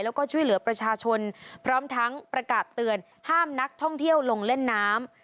แล้วก็ช่วยเหลือประชาชนพร้อมทั้งประกาศเตือนห้ามนักท่องเที่ยวลงเล่นน้ำ